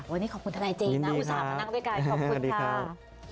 วันนี้ขอบคุณทนายเจมส์นะอุตส่าห์มานั่งด้วยกันขอบคุณค่ะ